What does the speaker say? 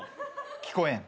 聞こえん。